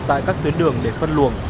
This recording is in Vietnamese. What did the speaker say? tại các tuyến đường để phân luồng